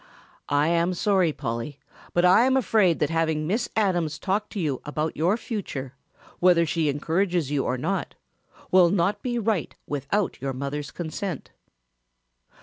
"I am sorry, Polly, but I am afraid that having Miss Adams talk to you about your future, whether she encourages you or not, will not be right without your mother's consent."